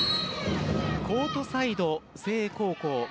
コートサイド、誠英高校